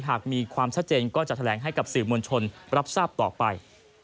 หากมีความชัดเจนก็จะแถลงให้กับสื่อมวลชนรับทราบต่อไป